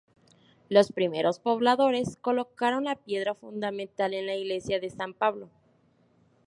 Los primeros pobladores colocaron la piedra fundamental en la Iglesia de San Pablo.